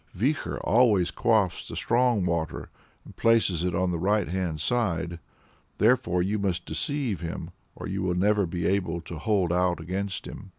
Vikhor always quaffs the Strong Water, and places it on the right hand side; therefore you must deceive him, or you will never be able to hold out against him."